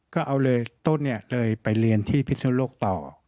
ก็เอาเลยต้นเลยไปเรียนที่พิษณุโรคต่อ